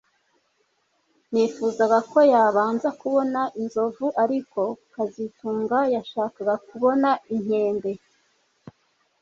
Nifuzaga ko yabanza kubona inzovu ariko kazitunga yashakaga kubona inkende